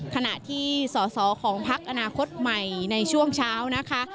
ขณะที่สอสอของพักอนาคตใหม่ในช่วงเช้านะคะ